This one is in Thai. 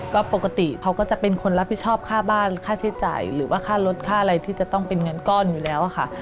ก็ปกติเขาก็จะเป็นคนรับผิดชอบค่าบ้านค่าใช้จ่ายหรือว่าค่ารถค่าอะไรที่จะต้องเป็นเงินก้อนอยู่แล้วค่ะ